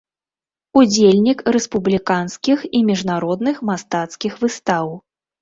Удзельнік рэспубліканскіх і міжнародных мастацкіх выстаў.